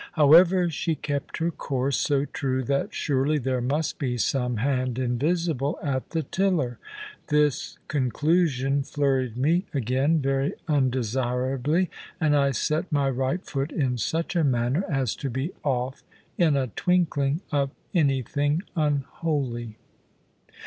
However, she kept her course so true that surely there must be some hand invisible at the tiller. This conclusion flurried me again, very undesirably; and I set my right foot in such a manner as to be off in a twinkling of anything unholy.